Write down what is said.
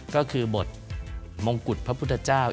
ก็คือบทมงกุฎพระพุทธเจ้า